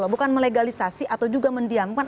bukan melegalisasi atau juga mendiamkan